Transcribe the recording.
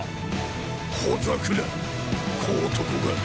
ほざくな小男が。